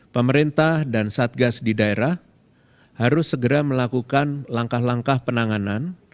pemerintah dan satgas di daerah harus segera melakukan langkah langkah penanganan